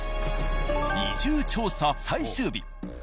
移住調査最終日。